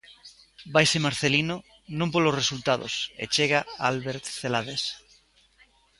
Vaise Marcelino, non polos resultados, e chega Albert Celades.